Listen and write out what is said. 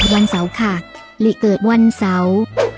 วันเสาร์ขักหรือเกิดวันเสาร์